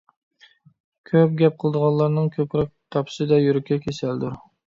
كۆپ گەپ قىلىدىغانلارنىڭ كۆكرەك قەپىسىدە يۈرىكى كېسەلدۇر.